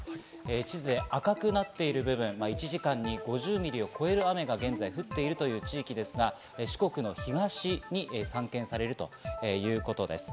地図で赤くなっている部分、１時間に５０ミリを超える雨が現在降っているという地域ですが、四国の東に散見されるということです。